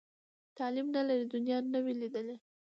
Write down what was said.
تعلیم نه لري، دنیا نه وي لیدلې.